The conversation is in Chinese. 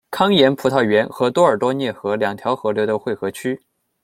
康廷葡萄园和多尔多涅河两条河流的汇合区。